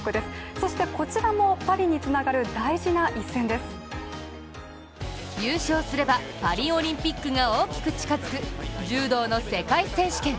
そしてこちらもパリにつながる大事な一戦です優勝すればパリオリンピックが大きく近づく柔道の世界選手権。